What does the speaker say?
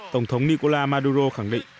tổng thống nicolás maduro khẳng định